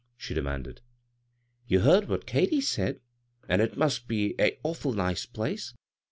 " she demanded. " You heard what Katy said, an' it must be a awful nice place.